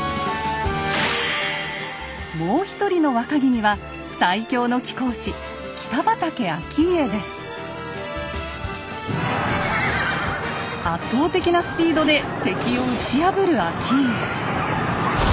もう一人の若君は最強の貴公子圧倒的なスピードで敵を打ち破る顕家。